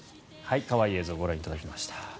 可愛い映像ご覧いただきました。